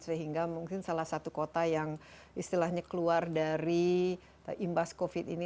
sehingga mungkin salah satu kota yang istilahnya keluar dari imbas covid ini